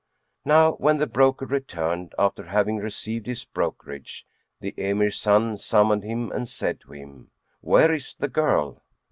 Now when the broker returned, after having received his brokerage, the Emir's son summoned him and said to him, "Where is the girl?"